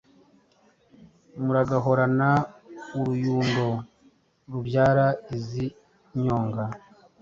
Muragahorana uruyundo Rubyara izi nyonga,